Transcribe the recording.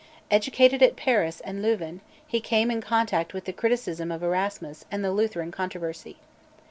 Educated at Paris and Louvain, he came in contact with the criticism of Erasmus and the Lutheran controversy.